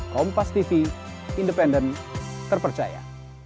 kompas tv independen terpercaya